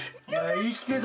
生きてた。